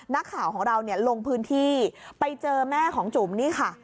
นักข่าวของเราเนี่ยลงพื้นที่ไปเจอแม่ของจุ๋มนี่ค่ะ